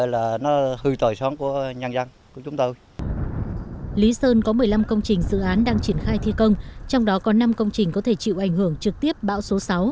lý sơn có một mươi năm công trình dự án đang triển khai thi công trong đó có năm công trình có thể chịu ảnh hưởng trực tiếp bão số sáu